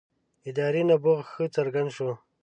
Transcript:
ادارې نبوغ ښه څرګند شو.